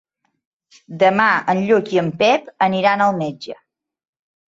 Demà en Lluc i en Pep aniran al metge.